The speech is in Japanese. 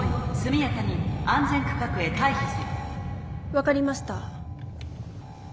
分かりました。